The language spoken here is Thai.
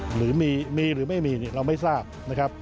หรือมีหรือไม่มีเราไม่ทราบนะครับ